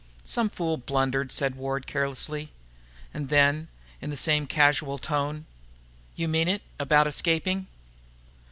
"Some fool blunder," said Ward carelessly. And then, in the same casual tone, "You mean it, about escaping?"